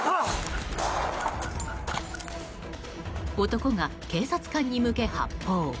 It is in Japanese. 男が警察官に向け発砲。